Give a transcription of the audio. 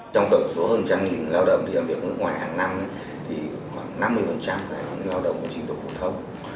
trong tổng số hơn trăm nghìn lao động đi làm việc ở nước ngoài hàng năm thì khoảng năm mươi là lao động trình độ phổ thông